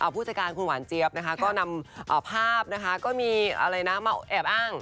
ผู้จัดการคุณหวานเจี๊ยบนะคะก็นำภาพนะคะก็มีอะไรนะมาแอบอ้าง